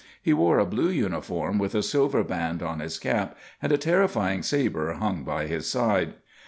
He wore a blue uniform with a silver band on his cap, and a terrifying sabre hung by his side.